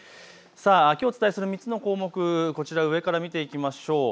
きょうお伝えする３つの項目、上から見ていきましょう。